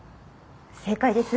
正解です。